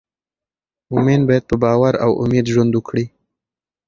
مؤمن باید په باور او امید ژوند وکړي.